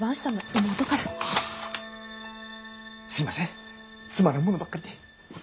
すいませんつまらんものばっかりで。